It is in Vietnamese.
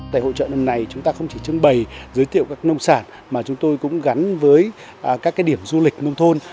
tại hội trợ lần này chúng ta không chỉ trưng bày giới thiệu các nông sản mà chúng tôi cũng gắn với các điểm du lịch nông thôn